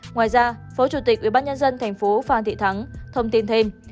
ngoài ra phó chủ tịch ủy ban nhân dân tp hcm phan thị thắng thông tin thêm